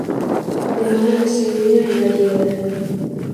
Demà na Xènia irà a Girona.